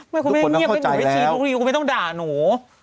ไม่ต้องด่าหนู